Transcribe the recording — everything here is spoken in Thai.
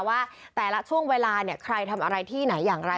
ว่าแต่ละช่วงเวลาเนี่ยใครทำอะไรที่ไหนอย่างไร